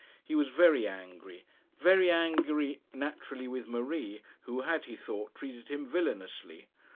He was very angry; very angry naturally with Marie, who had, he thought, treated him villainously.